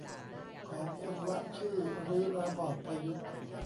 ขอคนละชื่อรื้อระบอบประยุทธ์